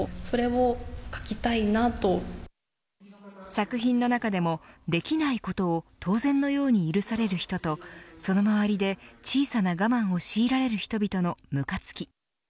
作品の中でもできないことを当然のように許される人とその周りで、小さな我慢を強いられる人のむかつき。